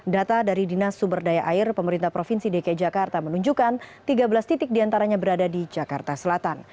data dari dinas sumber daya air pemerintah provinsi dki jakarta menunjukkan tiga belas titik diantaranya berada di jakarta selatan